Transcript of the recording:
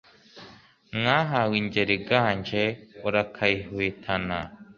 Mwahawe ingeri iganje Urakayihwitana.